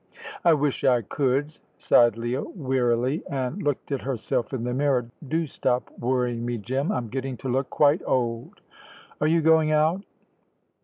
"I wish I could," sighed Leah, wearily, and looked at herself in the mirror. "Do stop worrying me, Jim. I'm getting to look quite old. Are you going out?"